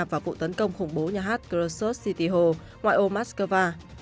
và vụ tấn công khủng bố nhà hát krasov city hall ngoại ô moskva